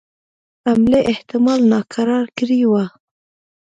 حملې احتمال ناکراره کړي وه.